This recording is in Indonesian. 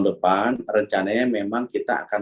depan rencananya memang kita akan